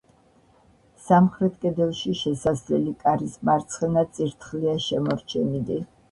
სამხრეთ კედელში შესასვლელი კარის მარცხენა წირთხლია შემორჩენილი.